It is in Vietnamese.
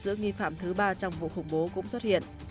giữa nghi phạm thứ ba trong vụ khủng bố cũng xuất hiện